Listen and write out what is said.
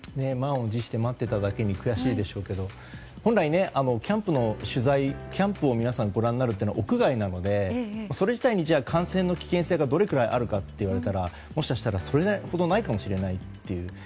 満を持して待っていただけに悔しいでしょうけど本来、キャンプの取材キャンプを皆さんご覧になるのは屋外なのでそれ自体に感染の危険性がどれくらいあるかと言われたらもしかしたら、それほどないかもしれないという。